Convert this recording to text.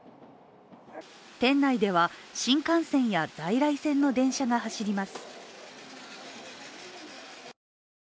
店内では新幹線や在来線の電車が走ります。